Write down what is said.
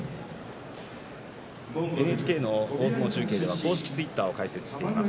ＮＨＫ大相撲中継では公式ツイッターを開設しています。